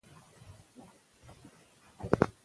احمدشاه بابا د ژوند د مبارزې ژوند و.